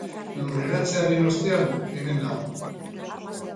Lurreratzearen ostean, hemen nago.